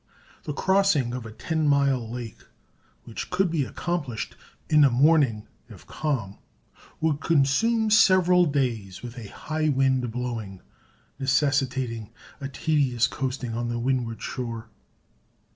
The crossing of a ten mile lake, which could be accomplished in a morning if calm, would consume several days with a high wind blowing, necessitating a tedious coasting on the windward shore.